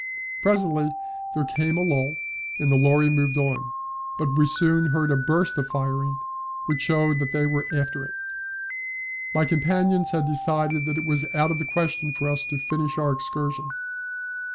Presently there came a lull and the lorry moved on, but we soon heard a burst of firing which showed that they were after it. My companions had decided that it was out of the question for us to finish our excursion.